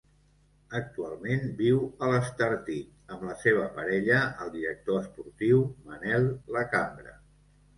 Actualment viu a l'Estartit, amb la seva parella, el director esportiu Manel Lacambra.